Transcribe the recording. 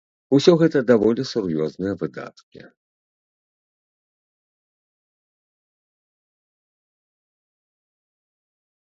Усё гэта даволі сур'ёзныя выдаткі.